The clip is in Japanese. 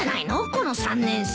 この３年生。